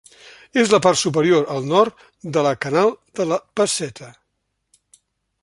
És la part superior, al nord, de la Canal de la Basseta.